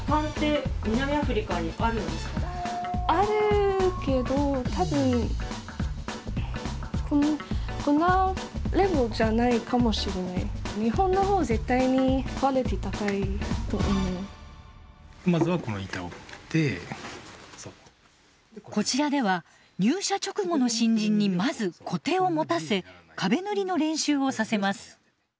あるけど多分こちらでは入社直後の新人にまずコテを持たせ壁塗りの練習をさせます。